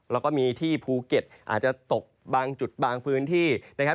แล้วก็มีที่ภูเก็ตอาจจะตกบางจุดบางพื้นที่นะครับ